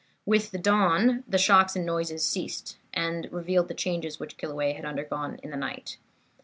"With the dawn the shocks and noises ceased, and revealed the changes which Kilauea had undergone in the night.